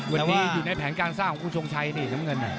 วันนี้อยู่ในแผนการสร้างของคุณทรงชัยนี่น้ำเงิน